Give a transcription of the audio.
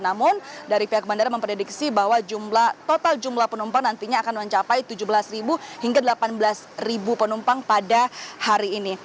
namun dari pihak bandara memprediksi bahwa total jumlah penumpang nantinya akan mencapai tujuh belas hingga delapan belas penumpang pada hari ini